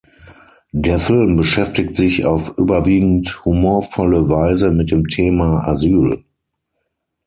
Der Film beschäftigt sich auf überwiegend humorvolle Weise mit dem Thema Asyl.